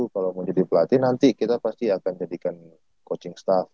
kalau mau jadi pelatih nanti kita pasti akan jadikan coaching staff